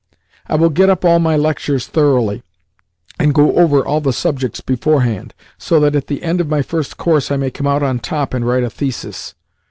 "I will get up all my lectures thoroughly, and go over all the subjects beforehand, so that at the end of my first course I may come out top and write a thesis.